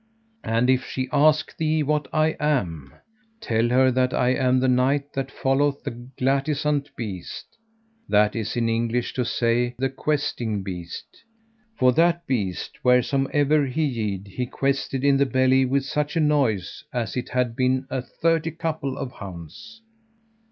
And if she ask thee what I am, tell her that I am the knight that followeth the glatisant beast: that is in English to say the questing beast; for that beast wheresomever he yede he quested in the belly with such a noise as it had been a thirty couple of hounds.